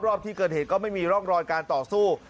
รอบที่เกิดเหตุก็ไม่มีร่องรอยการต่อสู้